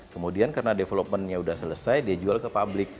kemudian karena developmentnya udah selesai dia jual ke public